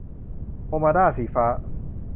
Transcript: โอ้มาดา - สีฟ้า